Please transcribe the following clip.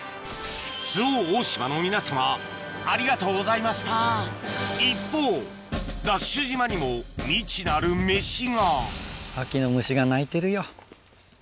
周防大島の皆様ありがとうございました一方ＤＡＳＨ島にも未知なるメシが秋の虫が鳴いてるよ。